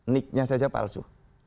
nik nya saja palsu